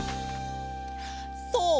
そう！